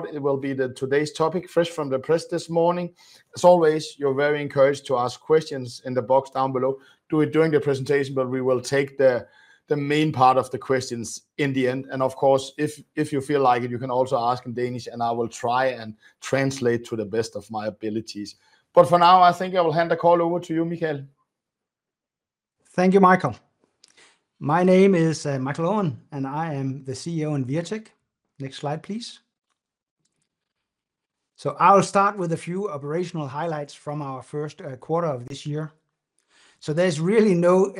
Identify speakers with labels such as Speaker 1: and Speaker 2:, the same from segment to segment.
Speaker 1: It will be today's topic, fresh from the press this morning. As always, you're very encouraged to ask questions in the box down below. Do it during the presentation, but we will take the main part of the questions in the end. Of course, if you feel like it, you can also ask in Danish, and I will try and translate to the best of my abilities. For now, I think I will hand the call over to you, Michael.
Speaker 2: Thank you, Michael. My name is Michael Aaen, and I am the CEO in Wirtek. Next slide, please. I will start with a few operational highlights from our first quarter of this year. There is really no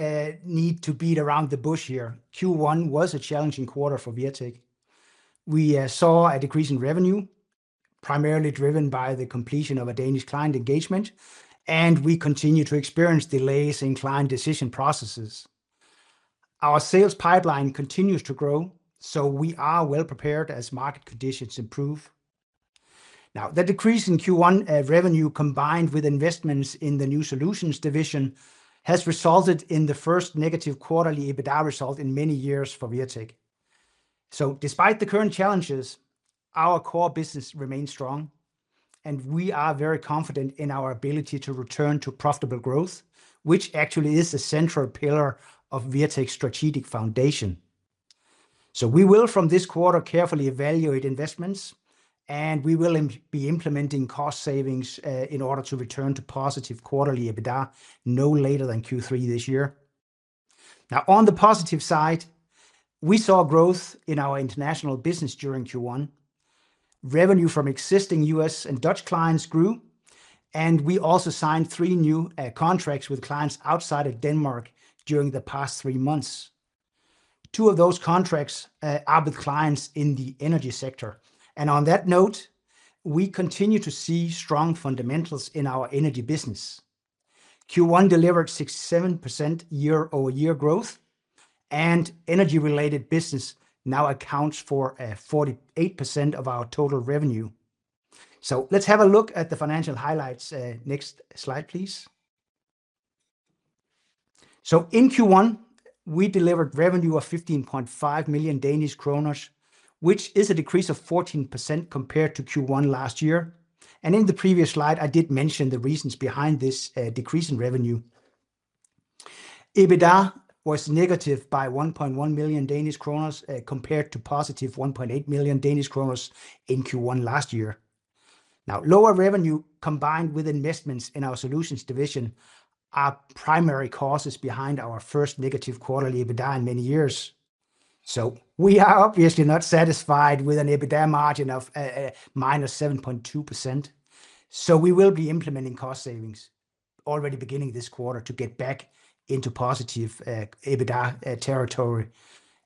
Speaker 2: need to beat around the bush here. Q1 was a challenging quarter for Wirtek. We saw a decrease in revenue, primarily driven by the completion of a Danish client engagement, and we continue to experience delays in client decision processes. Our sales pipeline continues to grow, so we are well prepared as market conditions improve. Now, the decrease in Q1 revenue combined with investments in the new solutions division has resulted in the first negative quarterly EBITDA result in many years for Wirtek. Despite the current challenges, our core business remains strong, and we are very confident in our ability to return to profitable growth, which actually is a central pillar of Wirtek's strategic foundation. We will, from this quarter, carefully evaluate investments, and we will be implementing cost savings in order to return to positive quarterly EBITDA no later than Q3 this year. On the positive side, we saw growth in our international business during Q1. Revenue from existing U.S. and Dutch clients grew, and we also signed three new contracts with clients outside of Denmark during the past three months. Two of those contracts are with clients in the energy sector. On that note, we continue to see strong fundamentals in our energy business. Q1 delivered 67% year-over-year growth, and energy-related business now accounts for 48% of our total revenue. Let's have a look at the financial highlights. Next slide, please. In Q1, we delivered revenue of 15.5 million Danish kroner, which is a decrease of 14% compared to Q1 last year. In the previous slide, I did mention the reasons behind this decrease in revenue. EBITDA was negative by 1.1 million Danish kroner compared to positive 1.8 million Danish kroner in Q1 last year. Now, lower revenue combined with investments in our solutions division are primary causes behind our first negative quarterly EBITDA in many years. We are obviously not satisfied with an EBITDA margin of -7.2%. We will be implementing cost savings already beginning this quarter to get back into positive EBITDA territory,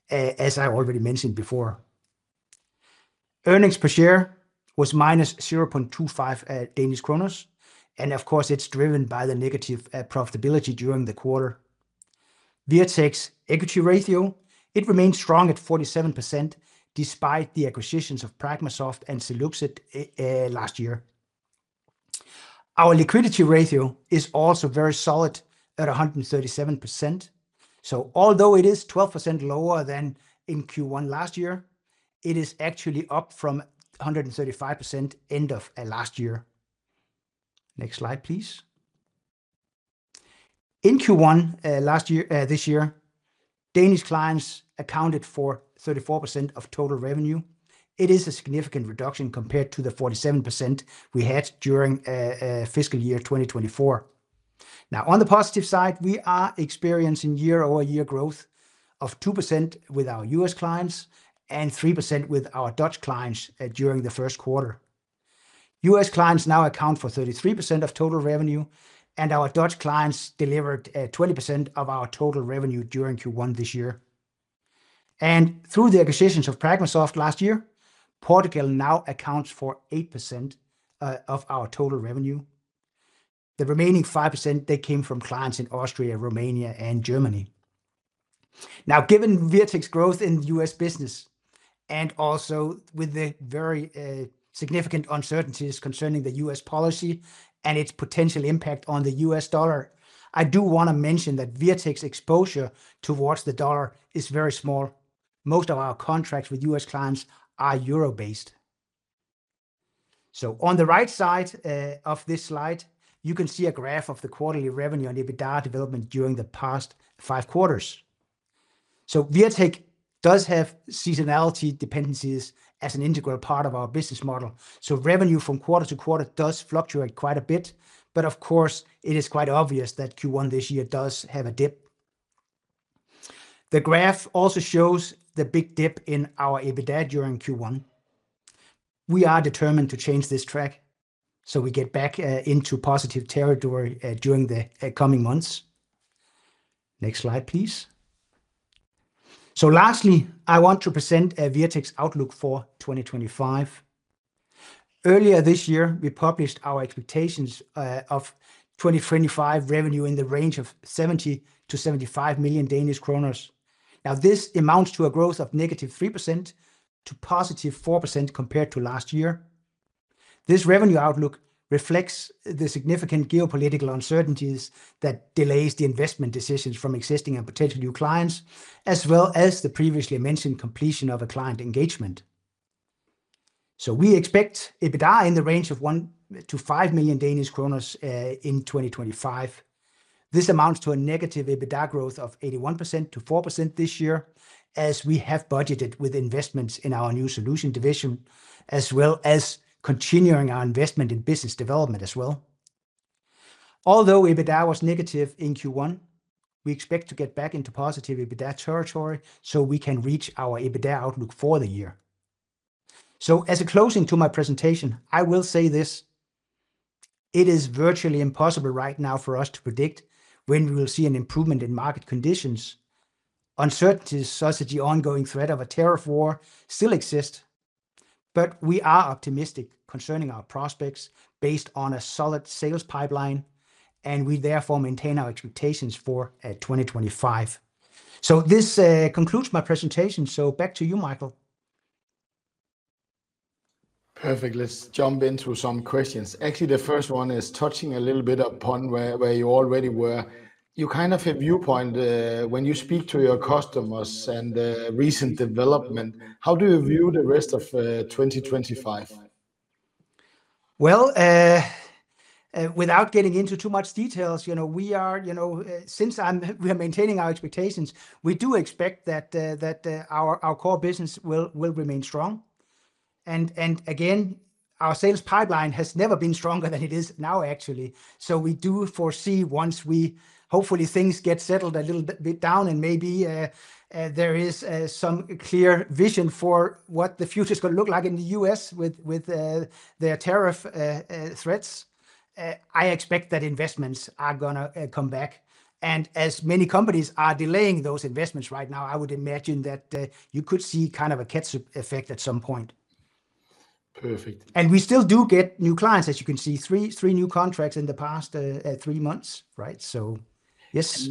Speaker 2: as I already mentioned before. Earnings Per Share was -0.25 Danish kroner, and of course, it's driven by the negative profitability during the quarter. Wirtek's equity ratio remains strong at 47% despite the acquisitions of PragmaSoft and Seluxit last year. Our liquidity ratio is also very solid at 137%. Although it is 12% lower than in Q1 last year, it is actually up from 135% end of last year. Next slide, please. In Q1 last year, Danish clients accounted for 34% of total revenue. It is a significant reduction compared to the 47% we had during fiscal year 2024. Now, on the positive side, we are experiencing year-over-year growth of 2% with our U.S. clients and 3% with our Dutch clients during the first quarter. U.S. clients now account for 33% of total revenue, and our Dutch clients delivered 20% of our total revenue during Q1 this year. Through the acquisitions of PragmaSoft last year, Portugal now accounts for 8% of our total revenue. The remaining 5% came from clients in Austria, Romania, and Germany. Now, given Wirtek's growth in U.S. business and also with the very significant uncertainties concerning the U.S. policy and its potential impact on the U.S. dollar, I do want to mention that Wirtek's exposure towards the dollar is very small. Most of our contracts with U.S. clients are euro-based. On the right side of this slide, you can see a graph of the quarterly revenue and EBITDA development during the past five quarters. Wirtek does have seasonality dependencies as an integral part of our business model. Revenue from quarter-to-quarter does fluctuate quite a bit, but of course, it is quite obvious that Q1 this year does have a dip. The graph also shows the big dip in our EBITDA during Q1. We are determined to change this track so we get back into positive territory during the coming months. Next slide, please. Lastly, I want to present Wirtek's outlook for 2025. Earlier this year, we published our expectations of 2025 revenue in the range of 70 million-75 million Danish kroner. This amounts to a growth of -3% to 4% compared to last year. This revenue outlook reflects the significant geopolitical uncertainties that delay the investment decisions from existing and potential new clients, as well as the previously mentioned completion of a client engagement. We expect EBITDA in the range of 1 million-5 million Danish kroner in 2025. This amounts to a negative EBITDA growth of 81% to 4% this year, as we have budgeted with investments in our new solution division, as well as continuing our investment in business development as well. Although EBITDA was negative in Q1, we expect to get back into positive EBITDA territory so we can reach our EBITDA outlook for the year. As a closing to my presentation, I will say this: it is virtually impossible right now for us to predict when we will see an improvement in market conditions. Uncertainties such as the ongoing threat of a tariff war still exist, but we are optimistic concerning our prospects based on a solid sales pipeline, and we therefore maintain our expectations for 2025. This concludes my presentation. Back to you, Michael.
Speaker 1: Perfect. Let's jump into some questions. Actually, the first one is touching a little bit upon where you already were. You kind of have a viewpoint when you speak to your customers and recent development. How do you view the rest of 2025?
Speaker 2: Since we are maintaining our expectations, we do expect that our core business will remain strong. Again, our sales pipeline has never been stronger than it is now, actually. We do foresee once we, hopefully, things get settled a little bit down and maybe there is some clear vision for what the future is going to look like in the U.S. with their tariff threats, I expect that investments are going to come back. As many companies are delaying those investments right now, I would imagine that you could see kind of a catch-up effect at some point.
Speaker 1: Perfect.
Speaker 2: We still do get new clients, as you can see, three new contracts in the past three months, right. Yes.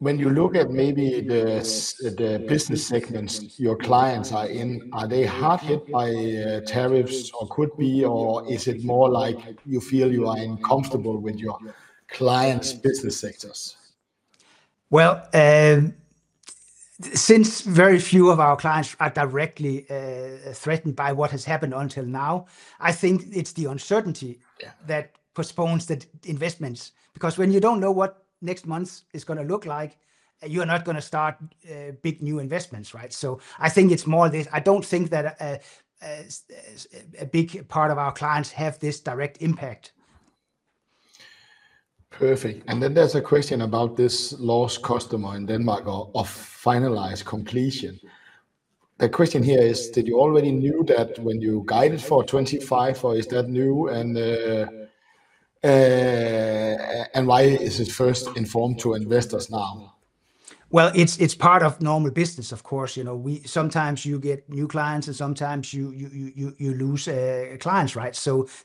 Speaker 1: When you look at maybe the business segments your clients are in, are they hard hit by tariffs or could be, or is it more like you feel you are uncomfortable with your clients' business sectors?
Speaker 2: Since very few of our clients are directly threatened by what has happened until now, I think it's the uncertainty that postpones the investments. Because when you don't know what next month is going to look like, you are not going to start big new investments, right. I think it's more this. I don't think that a big part of our clients have this direct impact.
Speaker 1: Perfect. There is a question about this lost customer in Denmark of finalized completion. The question here is, did you already know that when you guided for 2025, or is that new? And why is it first informed to investors now?
Speaker 2: It is part of normal business, of course. Sometimes you get new clients and sometimes you lose clients, right.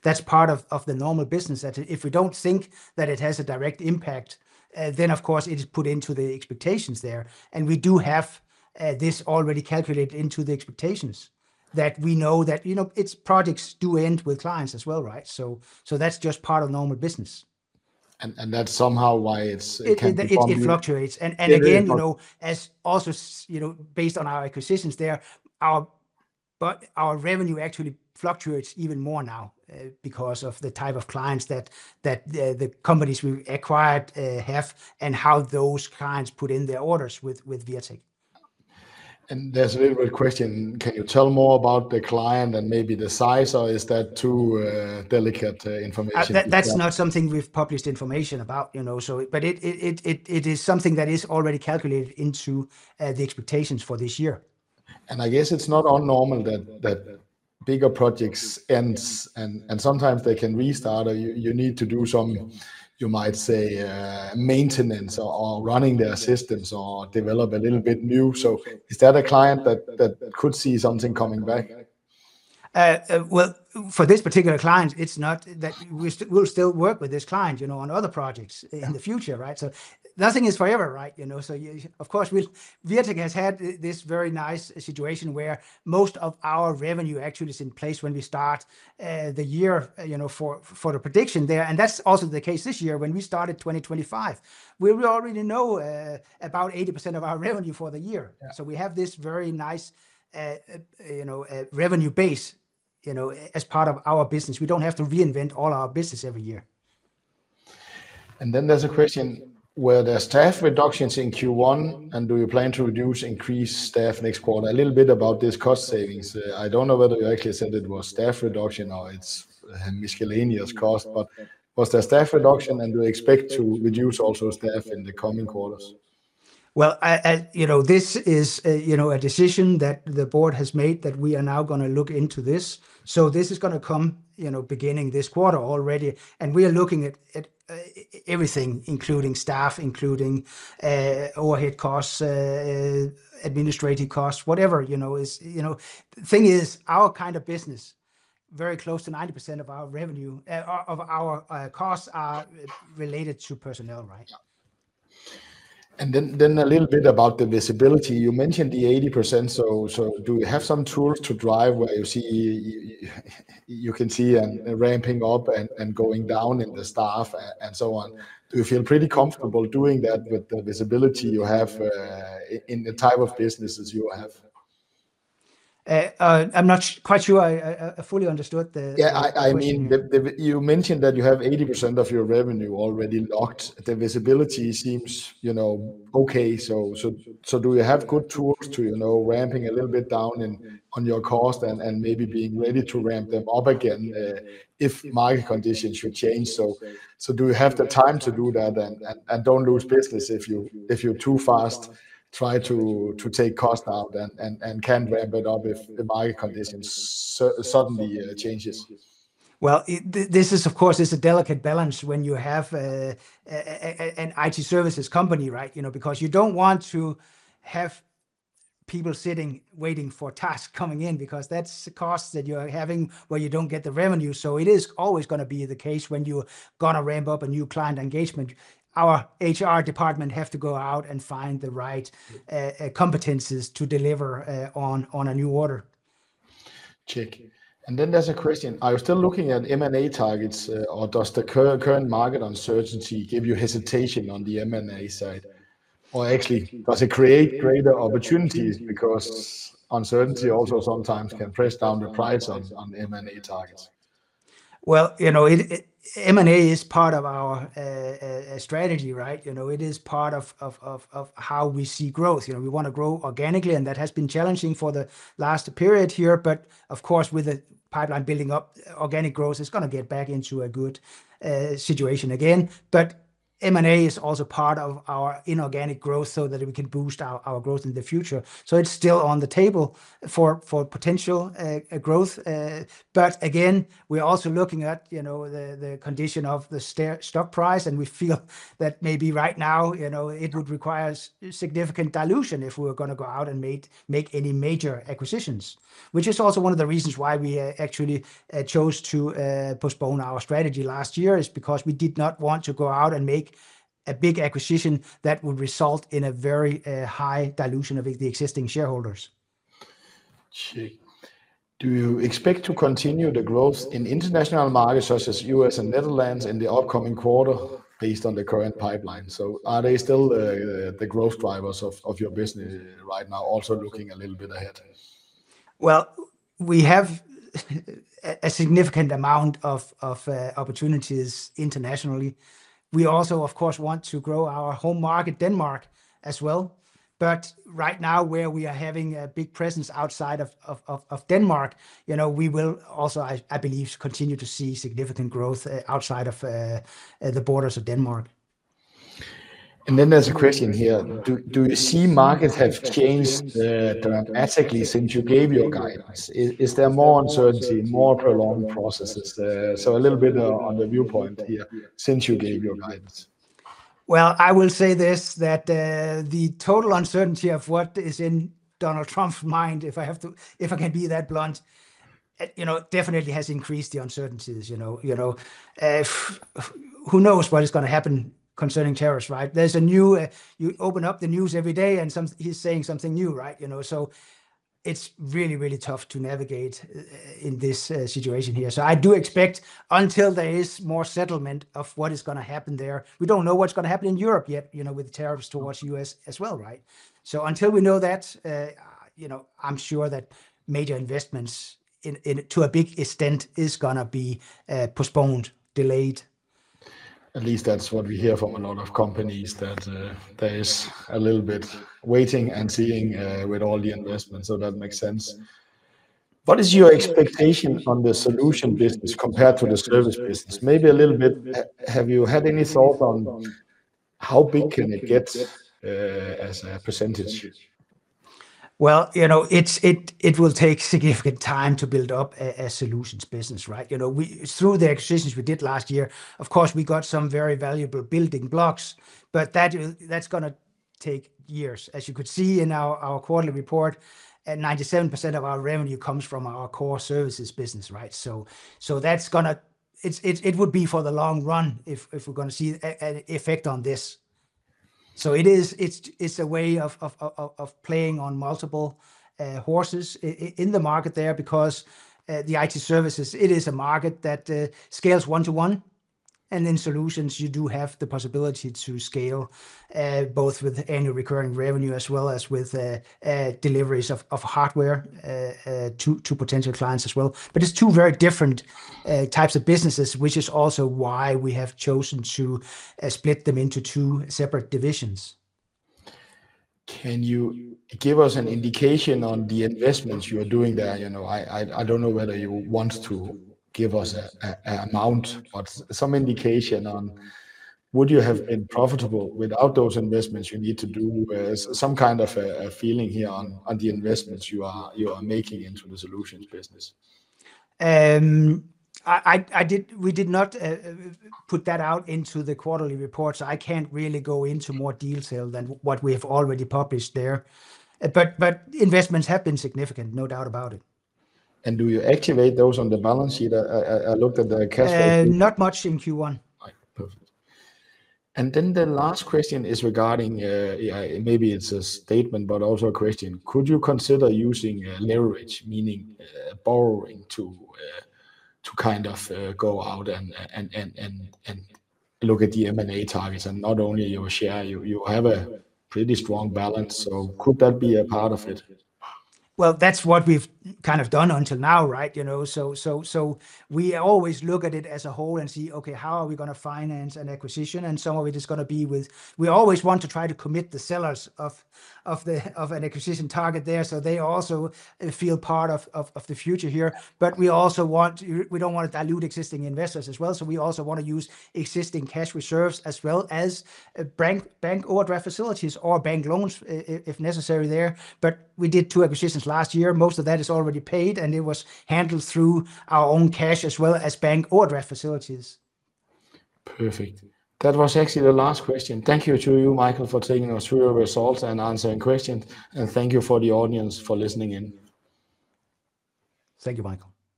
Speaker 2: That is part of the normal business. If we do not think that it has a direct impact, then of course it is put into the expectations there. We do have this already calculated into the expectations that we know that its projects do end with clients as well, right. That is just part of normal business.
Speaker 1: That's somehow why it's kind of.
Speaker 2: It fluctuates. Again, as also based on our acquisitions there, our revenue actually fluctuates even more now because of the type of clients that the companies we acquired have and how those clients put in their orders with Wirtek.
Speaker 1: There's a little bit of a question. Can you tell more about the client and maybe the size? Or is that too delicate information?
Speaker 2: That's not something we've published information about. It is something that is already calculated into the expectations for this year.
Speaker 1: I guess it's not uncommon that bigger projects end, and sometimes they can restart, or you need to do some, you might say, maintenance or running their systems or develop a little bit new. Is that a client that could see something coming back?
Speaker 2: For this particular client, it's not that we'll still work with this client on other projects in the future, right. Nothing is forever, right. Of course, Wirtek has had this very nice situation where most of our revenue actually is in place when we start the year for the prediction there. That's also the case this year when we started 2025, where we already know about 80% of our revenue for the year. We have this very nice revenue base as part of our business. We don't have to reinvent all our business every year.
Speaker 1: There is a question: were there staff reductions in Q1? Do you plan to reduce or increase staff next quarter? A little bit about these cost savings. I do not know whether you actually said it was staff reduction or it is a miscellaneous cost, but was there staff reduction? Do you expect to reduce also staff in the coming quarters?
Speaker 2: This is a decision that the board has made that we are now going to look into this. This is going to come beginning this quarter already. We are looking at everything, including staff, including overhead costs, administrative costs, whatever. The thing is, our kind of business, very close to 90% of our revenue, of our costs are related to personnel, right.
Speaker 1: A little bit about the visibility. You mentioned the 80%. Do you have some tools to drive where you can see ramping up and going down in the staff and so on? Do you feel pretty comfortable doing that with the visibility you have in the type of businesses you have?
Speaker 2: I'm not quite sure I fully understood the.
Speaker 1: Yeah, I mean, you mentioned that you have 80% of your revenue already locked. The visibility seems okay. Do you have good tools to ramping a little bit down on your cost and maybe being ready to ramp them up again if market conditions should change? Do you have the time to do that and do not lose business if you too fast try to take cost out and cannot ramp it up if the market conditions suddenly changes?
Speaker 2: This is, of course, a delicate balance when you have an IT services company, right. Because you do not want to have people sitting waiting for tasks coming in because that is the cost that you are having where you do not get the revenue. It is always going to be the case when you are going to ramp up a new client engagement. Our HR department has to go out and find the right competencies to deliver on a new order.
Speaker 1: Check. There is a question. Are you still looking at M&A targets? Does the current market uncertainty give you hesitation on the M&A side? Does it create greater opportunities because uncertainty also sometimes can press down the price on M&A targets?
Speaker 2: M&A is part of our strategy, right. It is part of how we see growth. We want to grow organically, and that has been challenging for the last period here. Of course, with the pipeline building up, organic growth is going to get back into a good situation again. M&A is also part of our inorganic growth so that we can boost our growth in the future. It is still on the table for potential growth. Again, we're also looking at the condition of the stock price, and we feel that maybe right now it would require significant dilution if we were going to go out and make any major acquisitions, which is also one of the reasons why we actually chose to postpone our strategy last year is because we did not want to go out and make a big acquisition that would result in a very high dilution of the existing shareholders.
Speaker 1: Check. Do you expect to continue the growth in international markets such as the U.S. and Netherlands in the upcoming quarter based on the current pipeline? Are they still the growth drivers of your business right now, also looking a little bit ahead?
Speaker 2: We have a significant amount of opportunities internationally. We also, of course, want to grow our home market, Denmark, as well. Right now, where we are having a big presence outside of Denmark, we will also, I believe, continue to see significant growth outside of the borders of Denmark.
Speaker 1: There is a question here. Do you see markets have changed dramatically since you gave your guidance? Is there more uncertainty, more prolonged processes? A little bit on the viewpoint here since you gave your guidance.
Speaker 2: I will say this, that the total uncertainty of what is in Donald Trump's mind, if I can be that blunt, definitely has increased the uncertainties. Who knows what is going to happen concerning tariffs, right. You open up the news every day, and he's saying something new, right. It is really, really tough to navigate in this situation here. I do expect until there is more settlement of what is going to happen there, we do not know what is going to happen in Europe yet with the tariffs towards the U.S. as well, right. Until we know that, I am sure that major investments to a big extent are going to be postponed, delayed.
Speaker 1: At least that's what we hear from a lot of companies, that there is a little bit waiting and seeing with all the investments. That makes sense. What is your expectation on the solution business compared to the service business? Maybe a little bit, have you had any thoughts on how big can it get as a percentage?
Speaker 2: It will take significant time to build up a solutions business, right. Through the acquisitions we did last year, of course, we got some very valuable building blocks, but that's going to take years. As you could see in our quarterly report, 97% of our revenue comes from our core services business, right. That's going to, it would be for the long run if we're going to see an effect on this. It's a way of playing on multiple horses in the market there because the IT services, it is a market that scales one-to-one. In solutions, you do have the possibility to scale both with annual recurring revenue as well as with deliveries of hardware to potential clients as well. It's two very different types of businesses, which is also why we have chosen to split them into two separate divisions.
Speaker 1: Can you give us an indication on the investments you are doing there? I don't know whether you want to give us an amount, but some indication on would you have been profitable without those investments you need to do? Some kind of a feeling here on the investments you are making into the solutions business.
Speaker 2: We did not put that out into the quarterly report, so I can't really go into more detail than what we have already published there. Investments have been significant, no doubt about it.
Speaker 1: Do you activate those on the balance sheet? I looked at the cash.
Speaker 2: Not much in Q1.
Speaker 1: Perfect. The last question is regarding, maybe it's a statement, but also a question. Could you consider using leverage, meaning borrowing to kind of go out and look at the M&A targets and not only your share? You have a pretty strong balance, so could that be a part of it?
Speaker 2: That is what we have kind of done until now, right. We always look at it as a whole and see, okay, how are we going to finance an acquisition? Some of it is going to be with, we always want to try to commit the sellers of an acquisition target there so they also feel part of the future here. We also want, we do not want to dilute existing investors as well. We also want to use existing cash reserves as well as bank overdraft facilities or bank loans if necessary there. We did two acquisitions last year. Most of that is already paid, and it was handled through our own cash as well as bank overdraft facilities.
Speaker 1: Perfect. That was actually the last question. Thank you to you, Michael, for taking us through your results and answering questions. Thank you for the audience for listening in.
Speaker 2: Thank you, Michael.